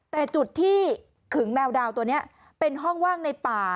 แต่จุดที่ขึงแมวดาวตัวนี้เป็นห้องว่างในป่า